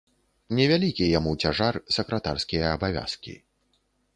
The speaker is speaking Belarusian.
Не вялікі яму цяжар сакратарскія абавязкі.